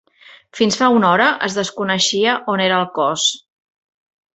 Fins fa una hora es desconeixia on era el cos.